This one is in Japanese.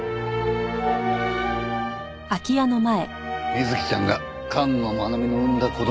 美月ちゃんが菅野茉奈美の産んだ子供。